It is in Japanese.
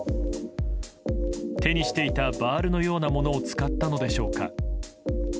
手にしていたバールのようなものを使ったのでしょうか。